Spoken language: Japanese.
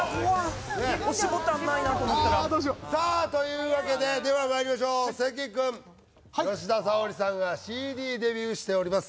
押しボタンないなと思ったらああどうしようというわけでではまいりましょう関くん吉田沙保里さんがＣＤデビューしております